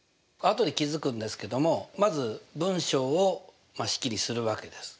あとで気付くんですけどもまず文章を式にするわけです。